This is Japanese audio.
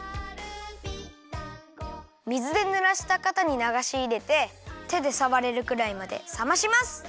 みずでぬらしたかたにながしいれててでさわれるくらいまでさまします！